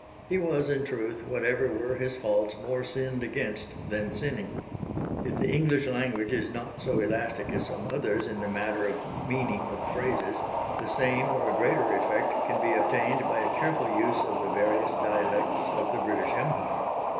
He was in truth, whatever were his faults, more sinned against than sinning. If the English language is not so elastic as some others in the matter of meaning of phrases, the same or a greater effect can be obtained by a careful use of the various dialects of the British Empire.